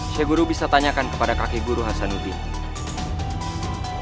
seh guru bisa tanyakan kepada kakek guru hasan ubin